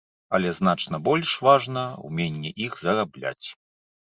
Але значна больш важна ўменне іх зарабляць.